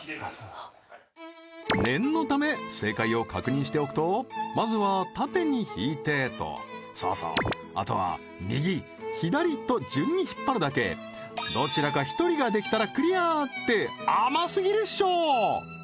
念のため正解を確認しておくとまずは縦に引いてとそうそうあとは右左と順に引っ張るだけどちらかって甘すぎるっしょ